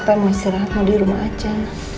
apa mau istirahat mau di rumah aja